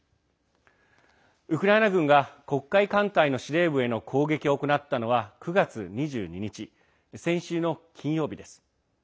ウクライナ軍が黒海艦隊の司令部への攻撃を行ったのは９月２２日、先週の金曜日です。